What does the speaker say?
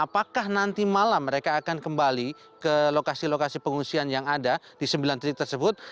apakah nanti malam mereka akan kembali ke lokasi lokasi pengungsian yang ada di sembilan titik tersebut